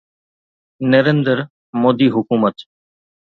نريندر مودي حڪومت